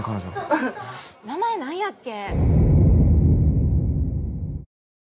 うん名前何やっけ？